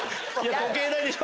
時計台でしょ？